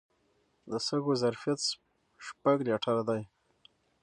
د سږو ظرفیت شپږ لیټره دی.